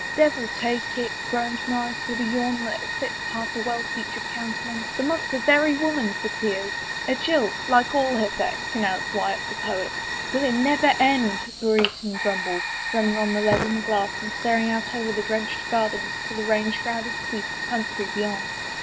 " Devil take it !" groaned Norris, with a yawn that eclipsed half a well featured countenance. *' The month's a very woman for tears !" "A jilt — like all her sex," pronounced Wyatt, the poet. " Will it never have done ?" Brereton grumbled, drum ming on the leaded glass and* staring out over the drenched gardens to the rain shrouded sweep of country beyond.